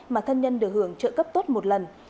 mà thân nhân được hưởng trợ cấp tốt một lần